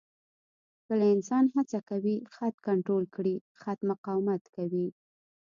کله انسان هڅه کوي خط کنټرول کړي، خط مقاومت کوي.